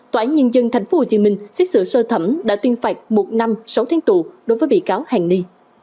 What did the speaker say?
tòa án nhân dân tp hcm xét xử sơ thẩm đã tuyên phạt một năm sáu tháng tù đối với bị cáo hàng ni